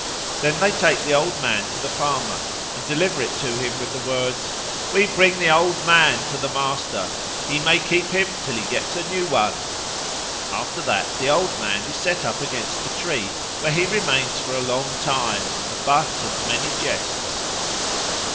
Then they take the Old Man to the farmer and deliver it to him with the words, "We bring the Old Man to the Master. He may keep him till he gets a new one." After that the Old Man is set up against a tree, where he remains for a long time, the butt of many jests.